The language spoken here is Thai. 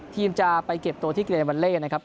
ทีมจะไปเก็บตัวที่กิเลเวอร์เวอร์เล่นะครับ